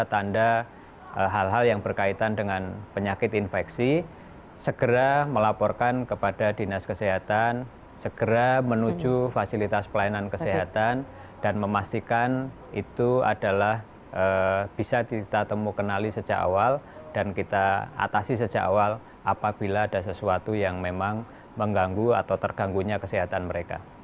tanda hal hal yang berkaitan dengan penyakit infeksi segera melaporkan kepada dinas kesehatan segera menuju fasilitas pelayanan kesehatan dan memastikan itu adalah bisa kita temukan sejak awal dan kita atasi sejak awal apabila ada sesuatu yang memang mengganggu atau terganggunya kesehatan mereka